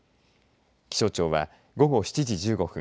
気象庁は、午後７時１５分